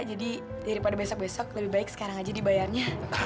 jadi daripada besok besok lebih baik sekarang aja dibayarnya